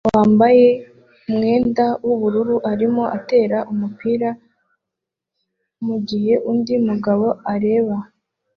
Umugabo wambaye imyenda yubururu arimo atera umupira mugihe undi mugabo areba